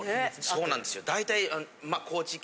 そうなんですよ大体。